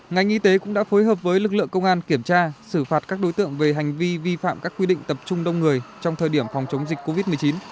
ngành y tế cũng đã phối hợp với lực lượng công an kiểm tra xử phạt các đối tượng về hành vi vi phạm các quy định tập trung đông người trong thời điểm phòng chống dịch covid một mươi chín